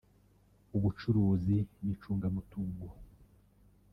ubucuruzi n’icungamutungo